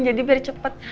jadi biar cepet